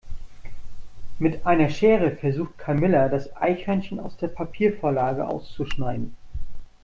Mit einer Schere versucht Camilla das Eichhörnchen aus der Papiervorlage auszuschneiden.